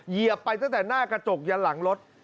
เหยียบไปตั้งแต่หน้ากระจกยันหลังรถ